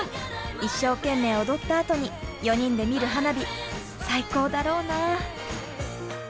一生懸命踊ったあとに４人で見る花火最高だろうな。